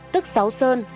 tức sáu sơn